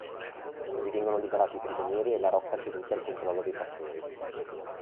Così vengono liberati i prigionieri e la rocca ceduta al controllo dei pastori.